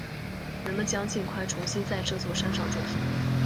人们将尽快重新在这座山上种树。